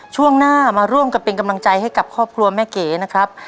ช่วงหน้ามาร่วมกันเป็นกำลังใจให้กับครอบครัวแม่เก๋นะครับ